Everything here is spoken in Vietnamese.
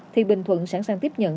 thì bình thuận sẵn sàng tiếp nhận